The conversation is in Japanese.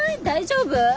大丈夫？